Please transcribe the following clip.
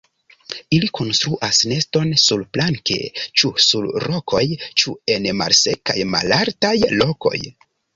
Ili konstruas neston surplanke ĉu sur rokoj ĉu en malsekaj malaltaj lokoj.